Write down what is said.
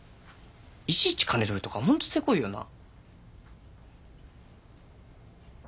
いちいち金取るとかホントせこいよな。